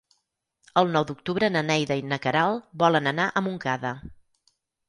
El nou d'octubre na Neida i na Queralt volen anar a Montcada.